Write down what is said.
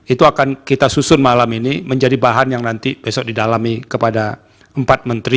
itu akan kita susun malam ini menjadi bahan yang nanti besok didalami kepada empat menteri